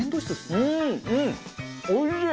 うんうんおいしい！